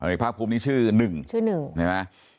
พันตรวจเอกภาคภูมินี่ชื่อหนึ่งชื่อหนึ่ง